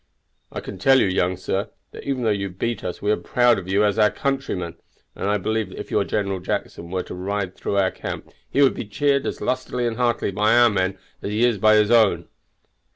I can tell you, young sir, that even though you beat us we are proud of you as our countrymen; and I believe that if your General Jackson were to ride through our camp he would be cheered as lustily and heartily by our men as he is by his own."